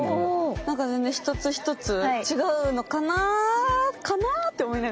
なんか全然一つ一つ違うのかな？かな？って思いながら見てましたね。